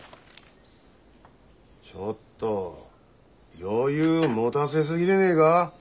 ちょっと余裕持だせすぎでねえが？